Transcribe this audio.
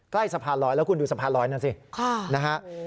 ใกล้สะพานลอยแล้วคุณดูสะพานลอยนั่นสินะฮะ